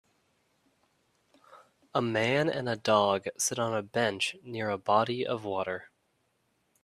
A man and a dog sit on a bench near a body of water